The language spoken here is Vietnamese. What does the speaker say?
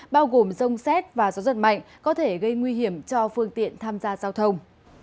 bao gồm rông xét và gió giật mạnh có thể gây nguy hiểm cho phương tiện tham gia giao thông